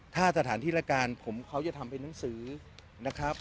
ถ้าสถานที่รายการผมเขาจะทำเป็นหนังสือนะครับ